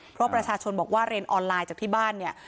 เพราะประชาชนบอกว่าเรียนออนไลน์จากที่บ้านเนี่ย